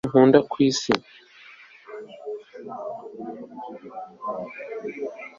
ntabwo ngukunda, nta kintu nkunda ku isi